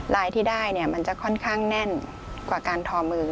รายได้ที่ได้มันจะค่อนข้างแน่นกว่าการทอมือ